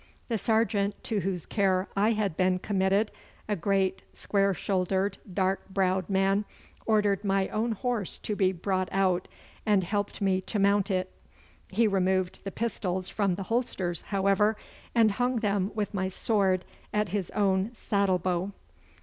The sergeant to whose care I had been committed a great square shouldered, dark browed man ordered my own horse to be brought out, and helped me to mount it. He removed the pistols from the holsters, however, and hung them with my sword at his own saddle bow.